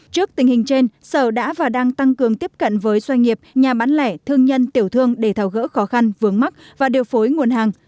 trước tình hình trên sở đã và đang tăng cường tiếp cận với doanh nghiệp nhà bán lẻ thương nhân tiểu thương để thảo gỡ khó khăn vướng mắt và điều phối nguồn hàng